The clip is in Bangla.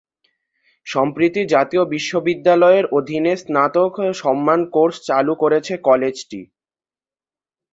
সম্প্রতি জাতীয় বিশ্ববিদ্যালয়ের অধিনে স্নাতক সম্মান কোর্স চালু করেছে কলেজটি।